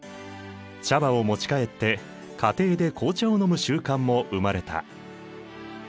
茶葉を持ち帰って家庭で紅茶を飲む習慣も生まれた。